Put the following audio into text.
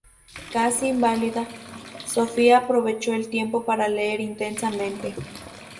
Casi inválida, Sofía aprovechó el tiempo para leer intensamente.